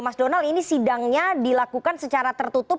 mas donald ini sidangnya dilakukan secara tertutup